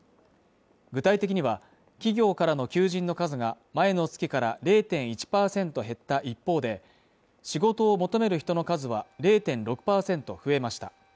具体的には、企業からの求人の数が前の月から０．１％減った一方で、仕事を求める人の数は０．６％増えました。